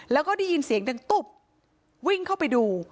แล้วก็ได้ยินเสียงดังตุ๊บวิ่งเข้าไปดู